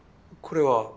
これは？